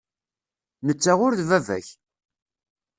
Netta ur d baba-k.